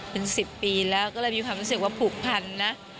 เป็น๑๐ปีแล้วก็เลยมีความรู้สึกว่าผูกพันนะ